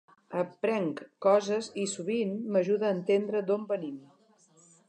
Aprenc coses i, sovint, m'ajuda a entendre d'on venim.